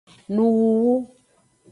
Nuwuwu.